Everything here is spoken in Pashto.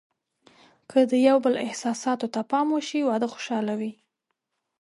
که د یو بل احساساتو ته پام وشي، واده خوشحاله وي.